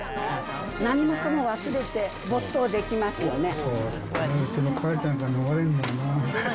何もかも忘れて没頭できますよね。